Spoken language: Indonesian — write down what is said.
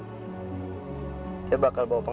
tapi kamu mungkin yakin karena kamu belum paham